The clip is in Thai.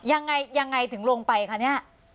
ยังไงถึงลงไปคะซะ